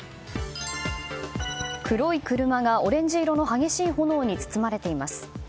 黒い車がオレンジ色の激しい炎に包まれています。